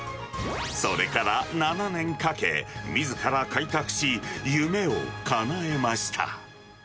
それから７年かけ、みずから開拓し、夢をかなえました。